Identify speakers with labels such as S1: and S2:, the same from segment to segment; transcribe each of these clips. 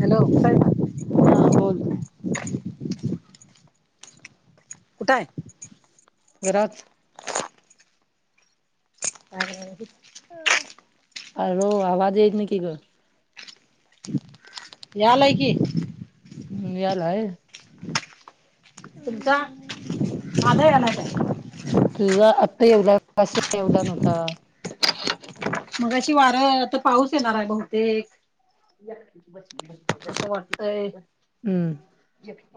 S1: हॅलोय!
S2: हा बोल.
S1: कुठाय.
S2: घराच.
S1: [inaudible]
S2: आ र आवाज येत न की कर.
S1: यालय की.
S2: हम् याला आहे.
S1: का माझा याला काय?
S2: तुझा आत्ता येवढ कस येवला नव्हता.
S1: मग अशी वारं तर पाऊस येणार आहे बहुतेक.
S2: अखीच बसी.
S1: तसं वाटतय.
S2: हम्म.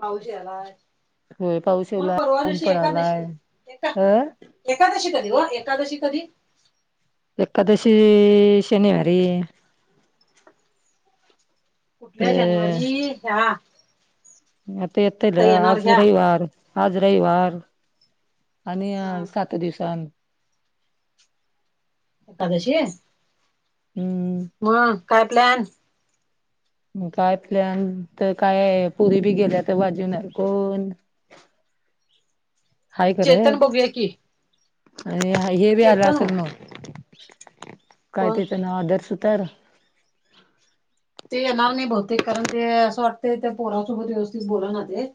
S1: पाहज याला
S2: होय पाऊस
S1: मग
S2: येवला
S1: परवा
S2: ऊन
S1: जशी
S2: पडालाय
S1: एकादशी एका.
S2: अ
S1: एकादशी कधी वा एकादशी कधी?
S2: एकादशी शनिवारी. अ
S1: कुठल्या जानेवारी ह्या.
S2: म येतल
S1: आता येणार
S2: आज
S1: ह्या
S2: रविवार आज रविवार. आणि
S1: हा
S2: सात दिवसन.
S1: एकादशशी आहे.
S2: हम्
S1: ह काय प्लॅन?
S2: काय प्लन तर काय आहे पुरी बी गेल्या तर भाजीणार कोण? हाय खरं
S1: चेतन बघूया की.
S2: आणि हे बी आलं
S1: चेतन हो
S2: असेल ना काय
S1: कोण
S2: त्याच नाव आदर्श तर
S1: ते येणार नाही बहुतेक कारण ते असं वाटते त्या पोरासोबत व्यवस्थित बोला ना ते.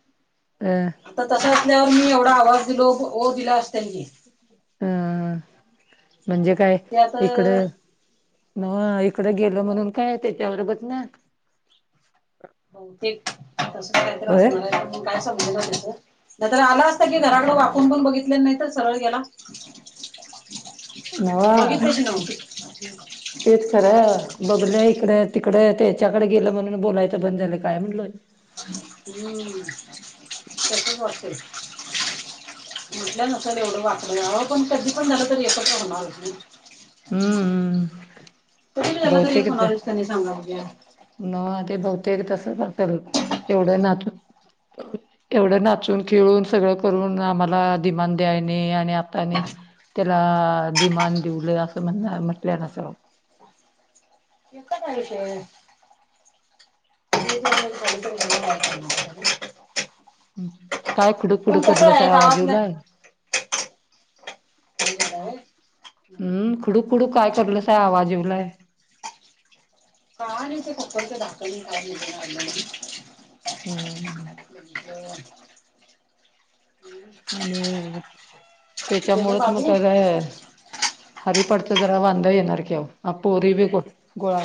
S2: हम.
S1: आता तशा असल्यावर मी एवढा आवाज दिलो दिला असते क
S2: हा म्हणजे काय
S1: ते आता
S2: इकडं. ना इकडं गेल
S1: तिकडं
S2: म्हणून काय त्याच्याभरोबच ना.
S1: बहुतेक तसंत
S2: होय
S1: असणार आहे काय समजलं त्यां नाही तर आला असता कि घराकड वापून पण बघितले नाही तर सरळ गेला.
S2: नावा.
S1: बघितल्याशी नव्हती
S2: तेच खरां बघल्या इकडे तिकडे त्याच्याकडे गेलं म्हणून बोलायचं बंद झालं काय म्हटलोय.
S1: हम्म तेती कते. म्हटलं नसेल एवढं वाटलं यावं पण कधी पण झालं तर येतचवणार.
S2: हम्म
S1: तरी झाला तरी होणारच त्यांनी सांगा बुज्या
S2: न ते बहुतेक तसं वाल एवढं नात. एवढं नाचून खेळून सगळं करून आम्हाला दिधमान द्यायने आणि आताने. त्याला दिमान दिवल असं म्हण म्हटलं नसल.
S1: श [inaudible]
S2: काय खुडू
S1: पण
S2: खुडूक
S1: कसं
S2: करलं सा
S1: आहे
S2: या्या
S1: गावातल्या
S2: बाजीवला.
S1: हो.
S2: हम्म खुडू खुडू काय करलस आवाज येवलय.
S1: काय नाही ते फकडच दाल काय?
S2: हम्.
S1: ह
S2: आणि
S1: गेलं
S2: त्याच्यामुळात
S1: बाबू
S2: मगरा हरी पडत जरा वांदा येणार की पोरी बी गोळा.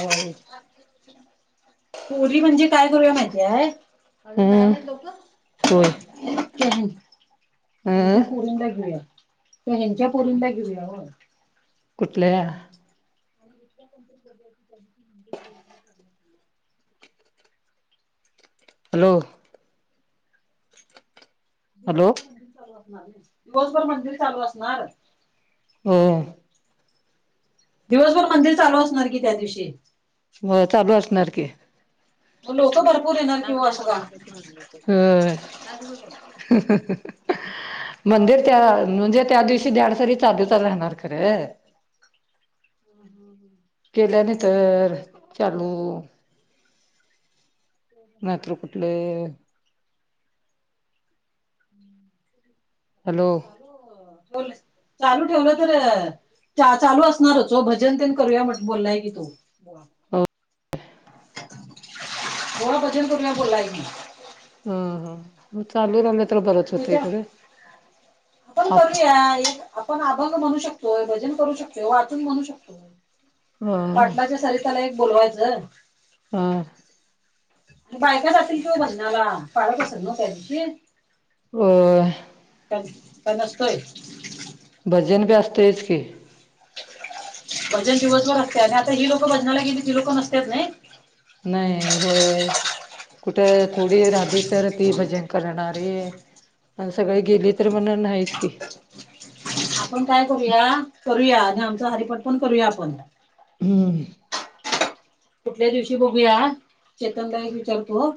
S1: पोरी म्हणजे काय करूया माहिती आहे.
S2: हम्म होय अ
S1: हच्या पुोरींद घेऊया ते हच्या पुोरींद घेऊया हो.
S2: कुठल्या?
S1: आणि इक
S2: हॅलो! हॅलो
S1: दिवसभर मंदिर चालू असणार दिवसभर मंदिर चालू असणार.
S2: हम्.
S1: दिवसभर मंदिर चालू असणार की त्या दिवशी.
S2: म चालू असणार की
S1: लोकं भरपूर येणार किंवा अस का?
S2: ह. मंदिर त्या म्हणजे त्या दिवशी द्याडसरी चादू चाल राहणार खरं.
S1: ह हम् ह.
S2: गेल्या नाही तर चालू. नाहीतर कुठले? हॅलो
S1: बोल चालू ठेवलं तर चालू असणारचो भजन तेन करूया म्हट बोललाय की तो
S2: हो
S1: कोड भजनपुरला बोलाय मी
S2: होय होय चालू राहिलं तर बरंच होतंय
S1: च्या
S2: खरं
S1: आपण
S2: आप
S1: करूया छान आपण अभंग म्हणू शकतोय भजन करू शकतो वाटून म्हणू शकतोय
S2: अ
S1: पाटलाच्या सरी त्याला एक बोलवायचं
S2: हा
S1: आणि बायका जातील की ओ भजनाला पाळत असेल ना त्या दिवशी
S2: हो
S1: का का नसतोय
S2: भजन बी असतंयच की
S1: भजन दिवसभर असते आणि आता ही लोक भजनाला गेली ती लोक नसत नाही
S2: नाही होय कुठं थोडी आधी तर ती भजन करणारी सगळे गेले तर म्हण नाहीच की
S1: आपण काय करूया करूया आणि आमचं हरिपाट पण करूया आपण
S2: हम्म
S1: कुठल्या दिवशी बघूया चेतन ल एक विचारतो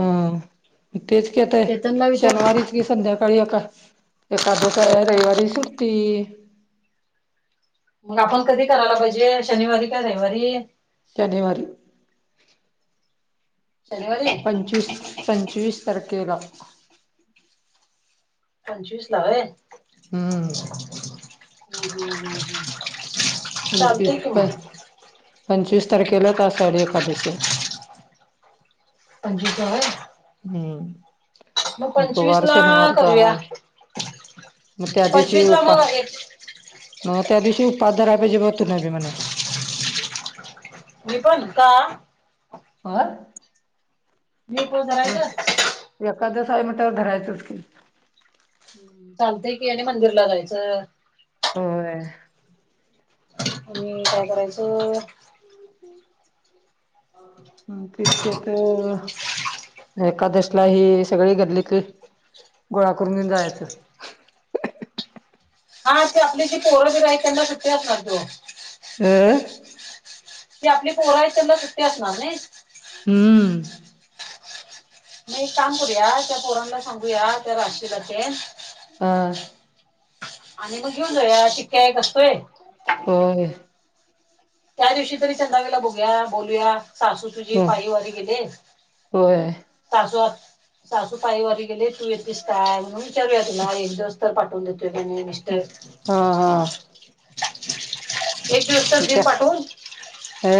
S2: हा तेच के आताय
S1: चेतनला विचार
S2: शनिवारीच ि संध्याकाळी एका एकादशी रविवारी सुट्टी
S1: मग आपण कधी करायला पाहिजे शनिवारी का रविवारी
S2: शनिवारी
S1: शनिवारी
S2: पंचवीस पंचवीस तारखेला
S1: पंचवीस ला वय
S2: हम्म पंचवीस प पंचवीस तारखेलाच अषाडी एकादशी हाय
S1: पंचवीस ल होय मग
S2: हम्म त
S1: पंचवीस
S2: वार
S1: ला
S2: शनिवारचा
S1: करूया
S2: आहे म त्या दिवशी
S1: पंचवीस ला
S2: उपा
S1: मग एक
S2: न त्या दिवशी उपास धाराय पाहिजे तुला बी म्हण
S1: मी पण का
S2: होर
S1: मी करायच
S2: ते एकादश आहे म्हटल्या वर धरायचंच की
S1: चालतय की या मंदिरला जायचं
S2: हो
S1: आणि काय करायचं
S2: ् तेचकता एकादशला ही सगळी गल्लीतली गोळा करून घेऊन जायचं
S1: हाशी आपली जी पोरंबीर आहे त्यांना सुट्टी असणार की ओ
S2: हम
S1: की आपली पोरं आहे त्यांना सुट्टी असणार नाय
S2: हम्म
S1: मी एक काम करूया त्या पोरांना सांगूया त्या राशीलातेन
S2: हा
S1: आणि मग घेऊन जाऊया चिक्क्या एक असतोय
S2: हो
S1: त्या दिवशी तरी चंदावीला बघूया बोलूया सासू तुझी
S2: हो
S1: पायवारी गेले.
S2: होय
S1: तासू सासू पाईवरारी गेले तू येतेस काय म्हणून विचारूया तु नाजिस एक दिस पाटून द दिेत गेने.
S2: हा हा
S1: एक दिवसच दे
S2: त्या
S1: पाठवून.
S2: अ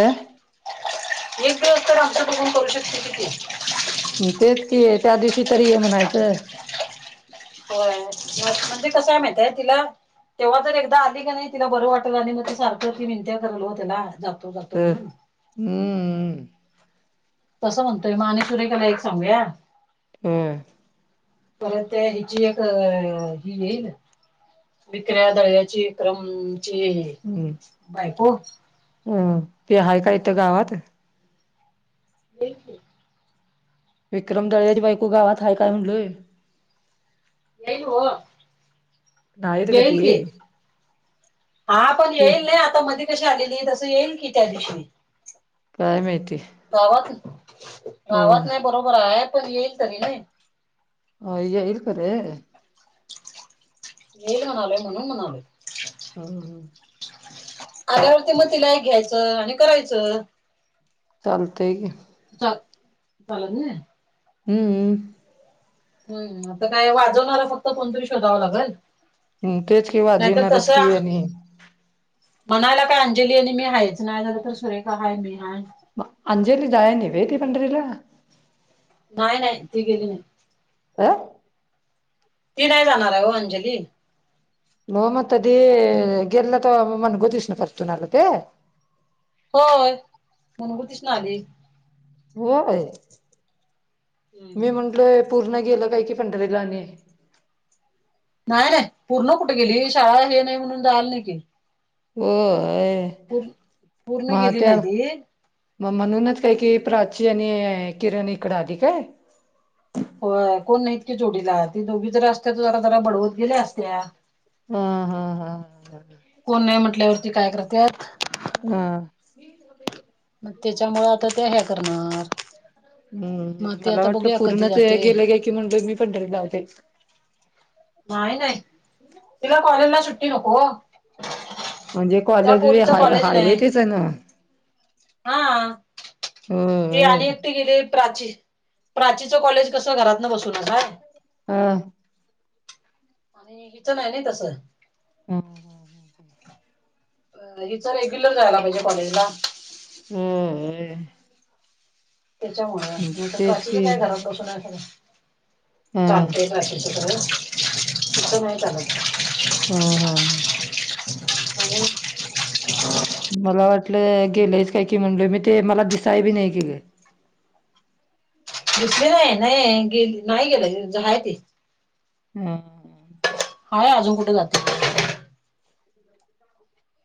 S1: एक दिवस तर आमच बघून करू शकते कि ती
S2: तेच कि त्या दिवशी तरी ये म्हणायचं.
S1: होय म्हणजे कस आहे माहितय तिला तेव्हा जर एकदा आली का नाही तिला बरं वाटल आणि मग ते सारखं ती मिंत्या करल त्याला जातो जातो म्हणून
S2: हम्मम
S1: तसं म्हणतोय म मा आणि तुरेखाला एक सांगूया.
S2: हम्
S1: परत त्या हिची एक ही येईल. विक्र्या दळ्याची क्रमची
S2: हम्म
S1: बाय
S2: अ तेीहाय काथ गावात.
S1: देचील
S2: विक्रम दळ्यारी बायकू गावात आहे काय म्हणलय.
S1: येईल हो
S2: नाहीत ग
S1: येईल
S2: ते
S1: की हा पण
S2: ते
S1: येईल नाही आता आता मध्ये कशी आलेली आहे तसं येईल की त्या दिवशी
S2: काय माहीती.
S1: गावात गावात नाही बरोबर आहे पण येईल तरी नाही.
S2: ह येईल खर.
S1: ये म्हणाले म्हणून म्हणाले.
S2: हो
S1: आल्यावर ती मग तिला एक घ्यायचं आणि करायचं.
S2: चालतय की?
S1: च झाला ना.
S2: हम्मम.
S1: हम्म आता काय वाजवणारला फक्त कोणतरी शोधावं लागेल.
S2: हम तेच कि वा
S1: नाहीतर
S2: जेवणारच कि
S1: तसं
S2: आहे.
S1: म्हणायला का अंजली आणि मी हायच नाही जर तर सुरेखाय मी हा
S2: अंजली दाय नि ववेदी पणरीला
S1: नाही नाही ती गेली नाही.
S2: अं
S1: ती नाही जाणार आहे हो अंजली
S2: लोमतदी गेल्लत मण गोतीसन परथणार हो ते
S1: होय मनमूतीच ना आली.
S2: होय
S1: हम्म
S2: मी म्हंटलय पूर्ण गेल काय कि पंढरीला आणि
S1: नाही नाही पूर्ण कुठे गेली शाळा हे नाही म्हणून जाल नाही की
S2: होय.
S1: पूर् पूर्ण
S2: मग
S1: घेली
S2: त्या
S1: नाही ती
S2: मग म्हणूनच काय की प्राची आणि किरण इकड आधी काय?
S1: हो कोण नाहीतकीे जोडीला ती दोघी जरा असते त जरा जरा बडवत गेल्या असत्या.
S2: ह हा हा ह हा
S1: कोण नाही म्हटल्यावरती काय करत.
S2: ना
S1: मग त्याच्यामुळे आता त्या ह्या करणार
S2: हम्म
S1: मग ते
S2: मला
S1: आता
S2: वाटलं
S1: बघूया कधी
S2: पूर्ण ते
S1: जाते
S2: गेले काय की म्हणते मी पण [unintelligible] लावते.
S1: नाय नाय उदया कॉलेजला सुट्टी नको.
S2: म्हणजे
S1: त्या
S2: कॉलेज वी
S1: पोरीचं
S2: हा
S1: कॉलेज
S2: हायवे
S1: नाही
S2: तेच हाय ना.
S1: हा ते
S2: होय
S1: आणि ते गेले प्राची प्राचीचं कॉलेज कसं घरात न बसूनच हाय.
S2: हा
S1: म हे हीच नाय न तसं
S2: हम्
S1: अ हिच रेग्युलर जायला पाहिजे कॉलेजला
S2: हम्म व्हय
S1: त्याच्यामुळ म्हंटल
S2: तेच
S1: प्राची चं
S2: की
S1: काय घरात बसून हाय सगळं
S2: हा
S1: चालतय बाकी सगळ तसं नाय चालत.
S2: हा हा ह
S1: [unintelligible]
S2: मला वाटलं गेलंईच काय की म्हणले मी ते मला दिसाय बी नाय गेल.
S1: दिसली नाय नाही गेली नाही गेलय नाय ती
S2: ह
S1: हाय अजून कुठ जाते.
S2: [unintelligible]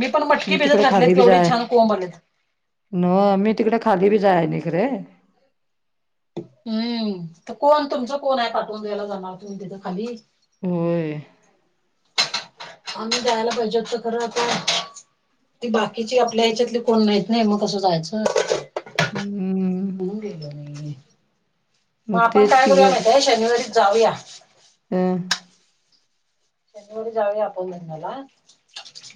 S1: मी पण मटकी भिजत घातलेत केवढे छान कोंब आलेत.
S2: नोय मी तिकड खाली बी जाय न इकड
S1: हूं तीत कोण तुमचं कोण हाय पाठवून दयायला जामणार तुम्ही तिथं खाली
S2: होय.
S1: आम्ही जायला पाहिजे होत खर आता ती बाकीची आपल्या याच्यातली कोण नाहीत नाय म कसं जायचं.
S2: हम्म हम्
S1: म
S2: मग
S1: आपण
S2: तेच
S1: काय
S2: की
S1: करूया माहिती हाय शनिवारीचं जाऊया.
S2: हूं हं
S1: शनिवारी जाऊया आपण भजनाला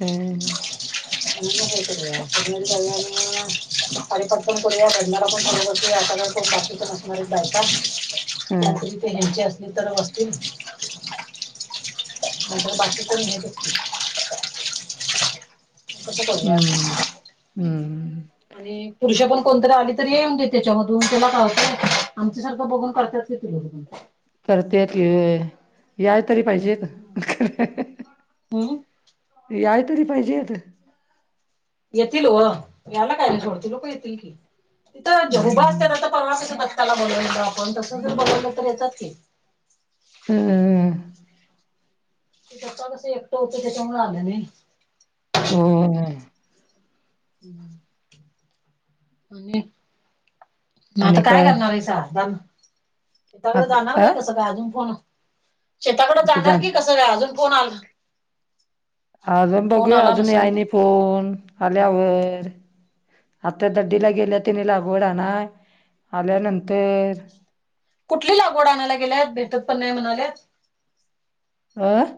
S2: अ
S1: [unintelligible] [unintelligible] आणि पटकन करू या भजनाला पण थोडं बसुया सगळ्याच्या [unintelligible] कोणं कोणं आहेत बायका
S2: हम्
S1: त्यानंचील तर ह्यांचे असतील तर असतील [unintelligible] ह म बाकी कोणी नाय [unintelligible]
S2: हम्म हम्म
S1: आणि पुरुष पण कोणतरी आली तरी येऊन दे त्याच्यामधून त्याला काय होतंय आमच्यासारख बघून करत्यात की ती लोकं पण
S2: करत्या की व्हय याय तरी पाहिजेत.
S1: हूं हूं
S2: याय तरी पाहिजेेत.
S1: यतील ओ याला काय थोडी ती लोक येतील की तिथं उभ
S2: हम्म
S1: असत्यात आता तमाशाच्या भत्ताला बोलवलेलं आपण तसं जर बोलवलं तर येतात की
S2: हम्म
S1: ते पप्पा कस एकटं होत त्याच्यामुळं आला नाही.
S2: हम्म काय
S1: हू आणि म आता काय करणारयसा बंद शेताकड
S2: आता
S1: जाणार
S2: का
S1: काय कसं काय अजून फोन शेताकड
S2: आता जा
S1: जाणार की कसं काय अजून फोन आला
S2: अजून
S1: फोन
S2: बघूया
S1: आला
S2: अजून याय
S1: नसेल
S2: नि फोन आल्यावर. आता
S1: हम्म
S2: दडडीला
S1: हम्म
S2: गेल्या
S1: हम्म
S2: तने लागवड आण आल्यानंतर.
S1: कुठली लागवड आणायला गेल्या आहेत भेटत पण नाही म्हणालेत.
S2: आं.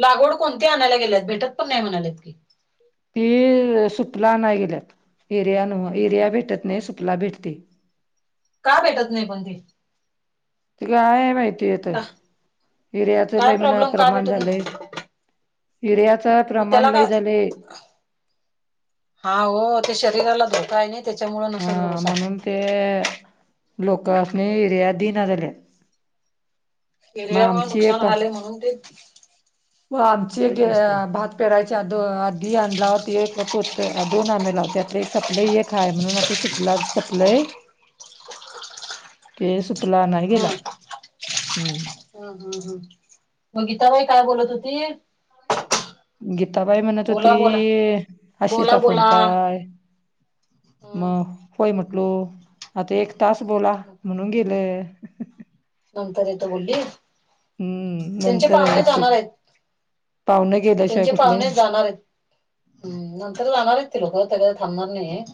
S1: लागवड कोणते आणायला गेलेत भेटत पण नाही म्हणालेत की.
S2: ती सुटला नाही गेल्यात एरिया न इरिया भेटत नाही सुपला भेटते.
S1: का भेटत नाही पण ते.
S2: त का काय माहिती येत
S1: का
S2: हिर्याच
S1: काय
S2: ल म्हन
S1: प्रॉब्लेम का
S2: प्रमाण
S1: भेटत
S2: झालंय.
S1: नाही
S2: युरियाच
S1: मग त्याला
S2: प्रमाण लय
S1: काय
S2: झालेय.
S1: हा हो ते शरीराला धोका आहे ना.
S2: हा म्हणून ते लोक अस नाही एरिया दिना जल्या.
S1: एरयावर नुकसान
S2: एक
S1: झाले म्हणून ते.
S2: व आमचे
S1: देत नसतील
S2: भात. परायच्या आधी आणला होती एकत दोन आणला हो त्यात एक आपलं एकय म्हणून आता सुपला सपलंय. के सुपला नाही गेला हम्म.
S1: हम हम् हम् म गीताबाई काय बोलत होती.
S2: गीताबाई म्हणत होती
S1: बोला बोला बोला
S2: आशीचा फोन
S1: बोला
S2: काय.
S1: हम्म
S2: मग होय म्हटलो आता एक तास बोला म्हणून गे. [inaudible]
S1: नंतर येत बोलली
S2: हम्म
S1: त्यांचे
S2: नंतर
S1: पाहने
S2: येतो
S1: जाणार आहेत.
S2: पाहुणे गेल्याशिवाय
S1: त्यांचे
S2: कुठले
S1: पाहुण्या जाणार आहेत. हम्म नंतर जाणारतील ल हो त्या थांब नाही.